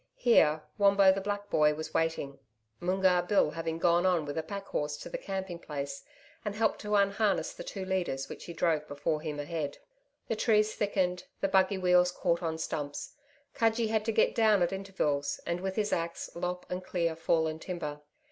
Here Wombo, the black boy, was waiting Moongarr Bill having gone on with the pack horse to the camping place and helped to unharness the two leaders which he drove before him ahead. The trees thickened, the buggy wheels caught on stumps. Cudgee had to get down at intervals and, with his axe, lop and clear fallen timber.